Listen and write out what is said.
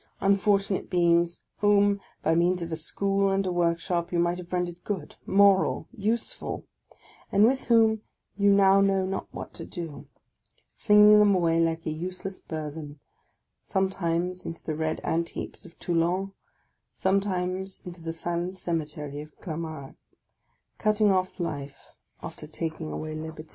unfortunate beings whom, by means of a school and a workshop, you might have rendered good, moral, useful ; and with whom you now know not what to do, — flinging them away like a useless burthen, sometimes into the red ant heaps of Toulon, sometimes into the silent cemetery of Clamart ; cutting off life after taking away liberty.